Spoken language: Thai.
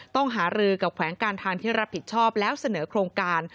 ต้องหารือกับแขวงการทางที่รับผิดชอบแล้วเสนอโครงการ